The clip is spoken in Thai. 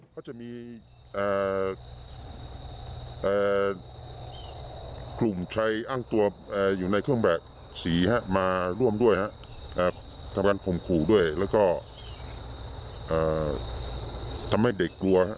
ก็จะมีกลุ่มใครอ้างตัวอยู่ในเครื่องแบบสีมาร่วมด้วยทำการข่มขู่ด้วยแล้วก็ทำให้เด็กกลัว